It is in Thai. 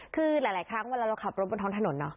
คือหลายครั้งเวลาเราขับรถบนท้องถนนเนอะ